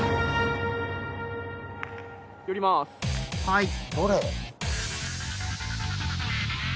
はい！